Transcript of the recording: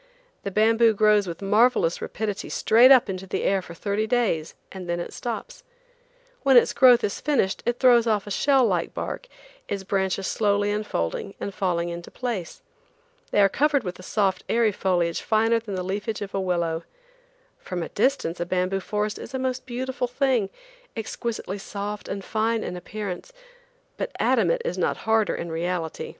The bamboo grows with marvelous rapidity straight up into the air for thirty days, and then it stops. When its growth is finished it throws off a shell like bark, its branches slowly unfolding and falling into place. They are covered with a soft airy foliage finer than the leafage of a willow. From a distance a bamboo forest is a most beautiful thing, exquisitely soft and fine in appearance, but adamant is not harder in reality.